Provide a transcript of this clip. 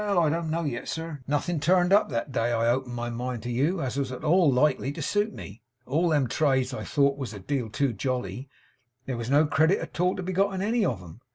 I don't know yet, sir. Nothing turned up that day I opened my mind to you, as was at all likely to suit me. All them trades I thought of was a deal too jolly; there was no credit at all to be got in any of 'em.